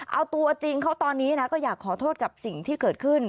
เอาตัวจริงเขาตอนนี้นะก็อยากขอโทษกับสิ่งที่เกิดขึ้น